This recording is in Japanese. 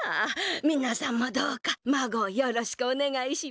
みなさんもどうかまごをよろしくおねがいしますのじゃ。